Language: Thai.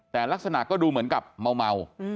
แต่ลักษณะก็ดูเหมือนกับเมา